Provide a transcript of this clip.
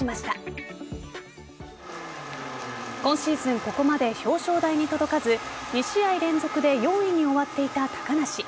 ここまで表彰台に届かず２試合連続で４位に終わっていた高梨。